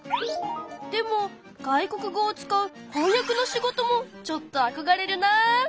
でも外国語を使う翻訳の仕事もちょっとあこがれるなあ。